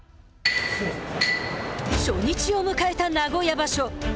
初日を迎えた名古屋場所。